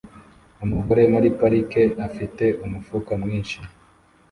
Umugore muri parike afite umufuka mwinshi